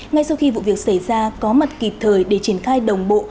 ngay sau khi vụ việc xảy ra có mặt kịp thời để triển khai đồng bộ